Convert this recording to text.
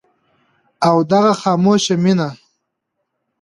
او دغه خاموشه مينه